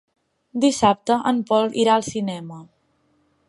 Dissabte en Pol irà al cinema.